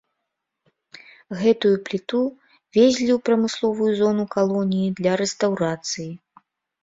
Гэтую пліту везлі ў прамысловую зону калоніі для рэстаўрацыі.